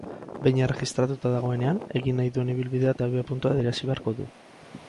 Behin erregistratuta dagoenean, egin nahi duen ibilbidea eta abiapuntua adierazi beharko du.